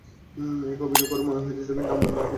এতে অভিনয় করে মনে হয়েছে, ছবির নাম অন্য কিছু হলে ভালো হতো।